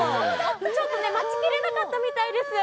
ちょっとね、待ち切れなかったみたいです。